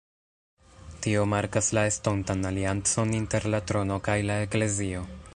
Tio markas la estontan aliancon inter la trono kaj la Eklezio.